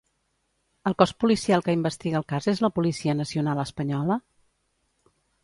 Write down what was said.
El cos policial que investiga el cas és la Policia Nacional Espanyola?